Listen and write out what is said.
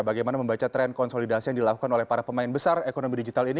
bagaimana membaca tren konsolidasi yang dilakukan oleh para pemain besar ekonomi digital ini